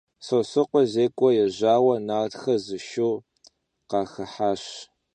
Sosrıkhue zêk'ue yêjaue, nartxe zı şşu khaxıhaş.